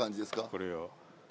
これを。